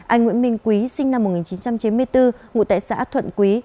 anh nguyễn minh quý sinh năm một nghìn chín trăm chín mươi bốn ngụ tại xã thuận quý